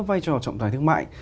vai trò trọng tài thương mại